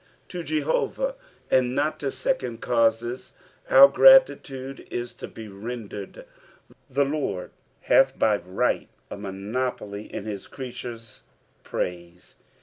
To Jehovah, and not to second <;a)ueB our gratitude is to be rendered. The Lord hath b; right a monopoly in bis creatures' praiss.